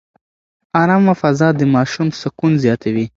ارامه فضا د ماشوم سکون زیاتوي.